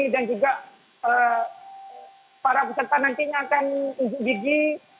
dan juga para peserta nantinya akan ujung gigi